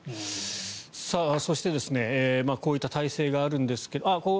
そして、こういった体制があるんですが。